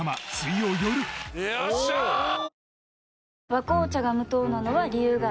「和紅茶」が無糖なのは、理由があるんよ。